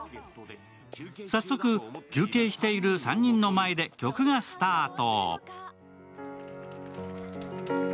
早速休憩している３人の前で曲がスタート。